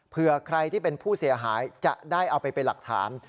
เพื่อใครที่เป็นผู้เสียหายจะได้เอาไปเป็นหลักฐาน